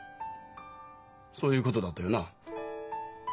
そういうことだったよな？